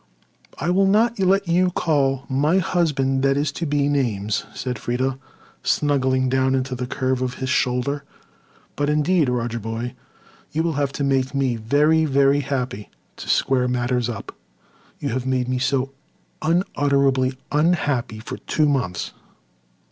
"I will not let you call my husband that is to be names," said Freda, snuggling down into the curve of his shoulder. "But indeed, Roger boy, you will have to make me very, very happy to square matters up. You have made me so unutterably unhappy for two months."